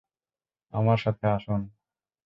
আমার সাথে আসুন।